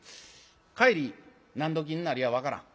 帰り何どきになるや分からん。